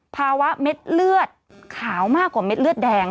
ภาวะเม็ดเลือดขาวมากกว่าเม็ดเลือดแดง